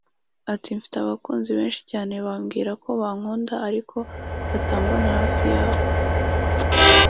Ati “Mfite abakunzi benshi cyane bambwira ko bankunda ariko batambona hafi yabo